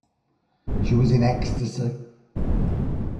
She was in ecstasy.